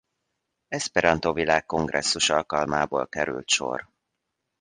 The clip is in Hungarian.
Eszperantó Világkongresszus alkalmából került sor.